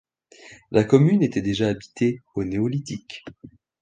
La commune était déjà habitée au néolithique.